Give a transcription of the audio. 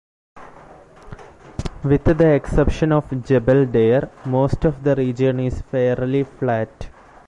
With the exception of Jebel Dair, most of the region is fairly flat.